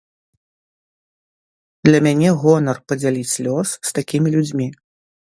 Для мяне гонар падзяліць лёс з такімі людзьмі.